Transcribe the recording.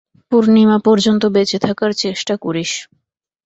পূর্ণিমা পর্যন্ত বেঁচে থাকার চেষ্টা করিস।